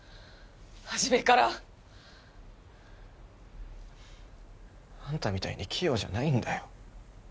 初めからあんたみたいに器用じゃないんだよ